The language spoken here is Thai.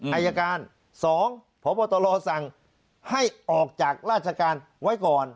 อายการ๒พบตรสั่งให้ออกจากราชการไว้ก่อน